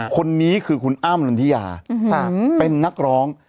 คนนี้คือคุณอ้ำนันทิยาเป็นนักร้อง